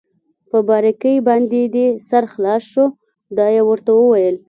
په باریکۍ باندې دې سر خلاص شو؟ دا يې ورته وویل.